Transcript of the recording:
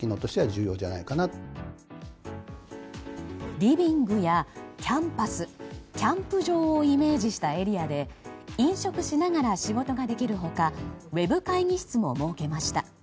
リビングやキャンパスキャンプ場をイメージしたエリアで飲食しながら仕事ができる他ウェブ会議室も設けました。